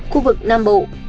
khu vực nam bộ